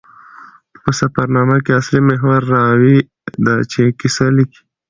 په سفرنامه کښي اصلي محور راوي ده، چي کیسه لیکي.